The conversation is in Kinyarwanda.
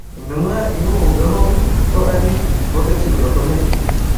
Intumwa iwuvugaho ko ari uw’agaciro gakomeye